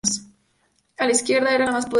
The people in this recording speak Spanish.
Ala izquierda: era la más poderosa.